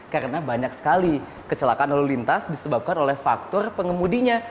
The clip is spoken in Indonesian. karena banyak sekali kecelakaan lalu lintas disebabkan oleh faktor pengemudinya